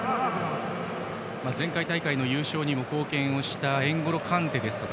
前回大会の優勝に貢献したエンゴロ・カンテですとか